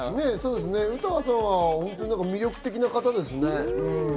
詩羽さんは本当に魅力的な方ですね。